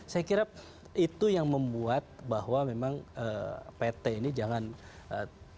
saya kira itu yang membuat bahwa memang pt ini jangan ee